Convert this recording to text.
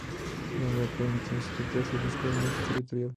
La hembra puede entonces activamente buscar un macho territorial.